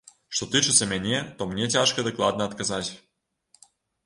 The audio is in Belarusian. Што тычыцца мяне, то мне цяжка дакладна адказаць.